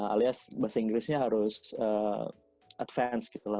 alias bahasa inggrisnya harus advance gitu lah